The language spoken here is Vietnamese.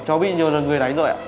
cháu bị nhiều người đánh rồi ạ